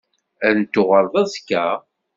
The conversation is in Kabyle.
Ad n-tuɣaleḍ azekka?